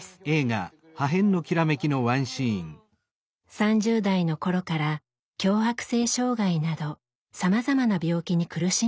３０代の頃から強迫性障害などさまざまな病気に苦しんできました。